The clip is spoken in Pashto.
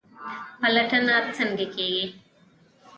پلټنه څنګه کیږي؟